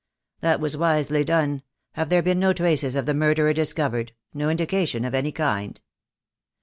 "That was wisely done. Have there been no traces of the murderer discovered? No indication of any kind?"